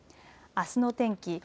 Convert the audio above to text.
あすの天気。